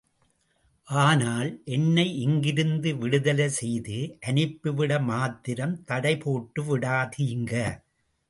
ஆனால், என்னை இங்கிருந்து விடுதலை செய்து அனுப்பிவிட மாத்திரம் தடை போட்டு விடாதீங்க.